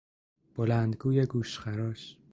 بلندگوی گوشخراش